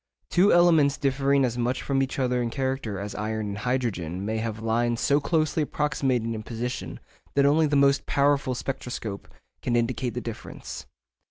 Two elements differing as much from each other in character as iron and hydrogen may have lines so closely approximating in position that only the most powerful spectroscope can indicate the difference.